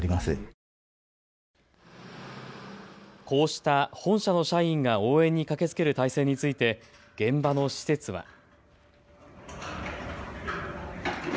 こうした本社の社員が応援に駆けつける体制について現場の施設は。